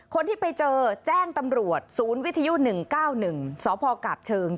คนที่ไปเจอแจ้งตำรวจศูนย์วิทยุ๑๙๑สพกาบเชิง